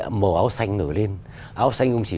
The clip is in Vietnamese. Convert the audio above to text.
màu áo xanh nổi lên áo xanh không chỉ